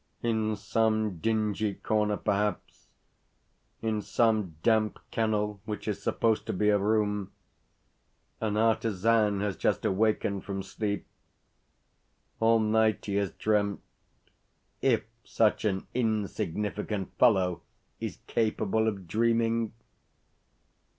In some dingy corner, perhaps, in some damp kennel which is supposed to be a room, an artisan has just awakened from sleep. All night he has dreamt IF such an insignificant fellow is capable of dreaming?